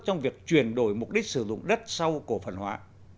trong việc chuyển đổi mục đích sử dụng đất sau cổ phần hóa